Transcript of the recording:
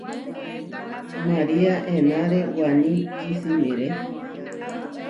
María enáre waní kisimiré.